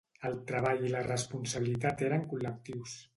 El treball i la responsabilitat eren col·lectius.